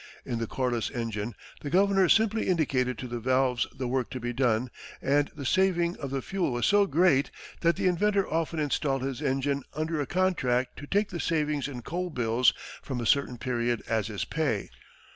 In the Corliss engine, the governor simply indicated to the valves the work to be done, and the saving of fuel was so great that the inventor often installed his engine under a contract to take the saving in coal bills from a certain period as his pay.